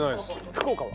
福岡は？